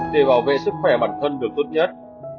để bảo vệ sức khỏe bản thân được tốt nhất